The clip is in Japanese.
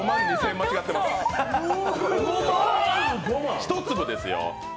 一粒ですよ。